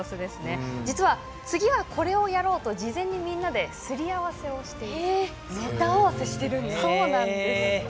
実は次はこれをやろうと事前にみんなで、すり合わせをしているということです。